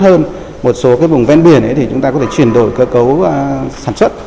hơn một số cái vùng ven biển thì chúng ta có thể chuyển đổi cơ cấu sản xuất